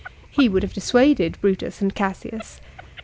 He would have dissuaded Brutus and Cassius.